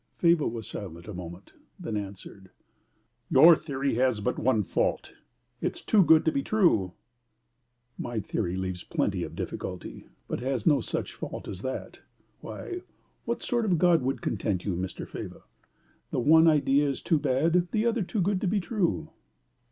Faber was silent a moment, then answered, "Your theory has but one fault: it is too good to be true." "My theory leaves plenty of difficulty, but has no such fault as that. Why, what sort of a God would content you, Mr. Faber? The one idea is too bad, the other too good to be true.